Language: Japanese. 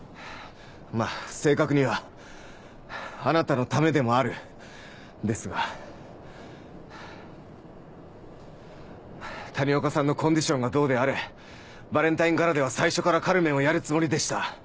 まぁ正確には「あなたのためでもある」ですが。谷岡さんのコンディションがどうであれバレンタイン・ガラでは最初から『カルメン』をやるつもりでした。